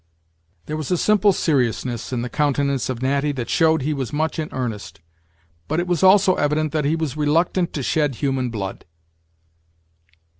There was a simple seriousness in the countenance of Natty, that showed he was much in earnest; but it was also evident that he was reluctant to shed human blood.